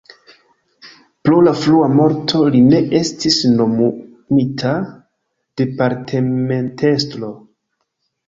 Pro la frua morto li ne estis nomumita departementestro.